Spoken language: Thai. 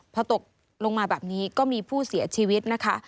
พอตกลงมาแบบนี้ก็มีผู้เสียชีวิตนะคะ